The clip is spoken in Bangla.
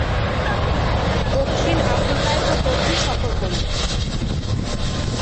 দক্ষিণ আফ্রিকায় তো প্রথম সফর করলেন।